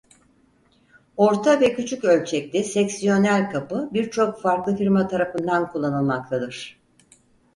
Orta ve küçük ölçekli seksiyonel kapı birçok farklı firma tarafından kullanılmaktadır.